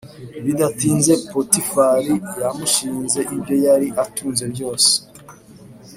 Bidatinze potifari yamushinze ibyo yari atunze byose